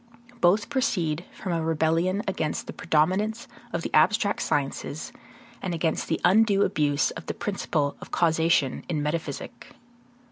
Both proceed from a rebellion against the predominance of the abstract sciences and against the undue abuse of the principle of causation in metaphysic.